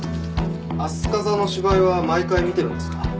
飛鳥座の芝居は毎回見てるんですか？